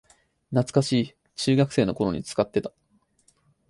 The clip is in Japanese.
懐かしい、中学生の頃に使ってた